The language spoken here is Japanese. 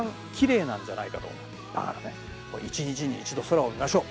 だからね一日に一度空を見ましょう。